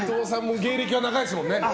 芸歴が長いですもんね。